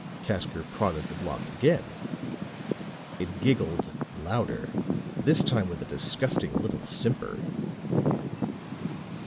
Casker prodded the block again. It giggled louder, this time with a disgusting little simper.